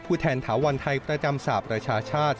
ผู้แทนถาวันไทยประจำสาปรชาชาติ